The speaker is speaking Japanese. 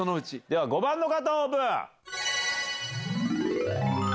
では５番の方オープン！